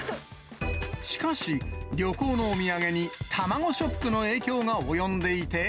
しかし、旅行のお土産に卵ショックの影響が及んでいて。